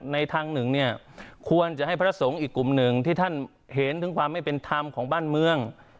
ทางหนึ่งเนี่ยควรจะให้พระสงฆ์อีกกลุ่มหนึ่งที่ท่านเห็นถึงความไม่เป็นธรรมของบ้านเมือง